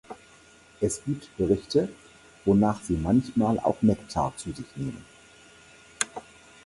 Es gibt Berichte, wonach sie manchmal auch Nektar zu sich nehmen.